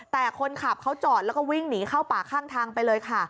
แต่คนขับเขาจอดแล้วก็วิ่งหนีเข้าป่าข้างทางไปเลยค่ะ